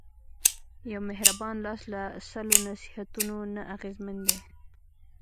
یو مهربان لاس له سلو نصیحتونو نه اغېزمن دی.